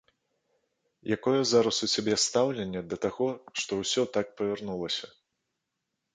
Якое зараз у цябе стаўленне да таго, што ўсё так павярнулася?